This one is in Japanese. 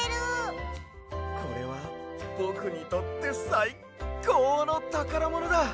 これはぼくにとってさいこうのたからものだ。